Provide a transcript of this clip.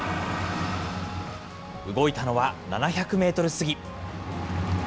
動いたのは７００メートル過ぎ。